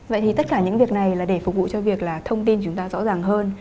vậy thì tất cả những việc này là để phục vụ cho việc là thông tin chúng ta rõ ràng hơn